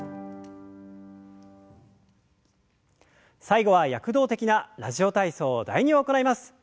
最後は躍動的な「ラジオ体操第２」を行います。